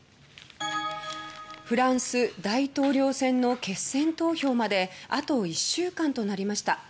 フランス大統領選の決選投票まであと１週間となりました。